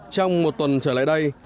trong một tuần trở lại đây